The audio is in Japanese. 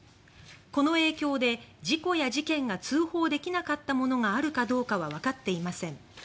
この影響で、事故や事件が通報出来なかったものがあるかどうかは分かっていません